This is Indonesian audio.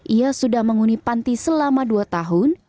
ia sudah menghuni panti selama dua tahun